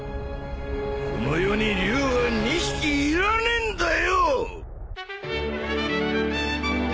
この世に龍は２匹いらねえんだよ！！